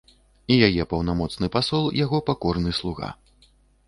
І яе паўнамоцны пасол яго пакорны слуга.